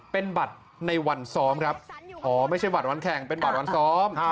เป็นบัตรในวันซ้อมครับอ๋อไม่ใช่บัตรวันแข่งเป็นบัตรวันซ้อม